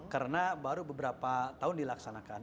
karena baru beberapa tahun dilaksanakan